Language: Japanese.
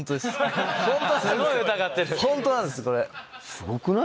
すごくない？